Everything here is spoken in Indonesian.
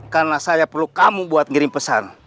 karena saya perlu kamu buat ngirim pesan